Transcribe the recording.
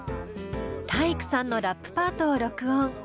体育さんのラップパートを録音。